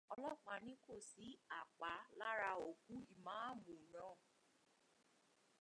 Ọlọ́pàá ní kò sí àpá lára òkú Ìmáàmù náà.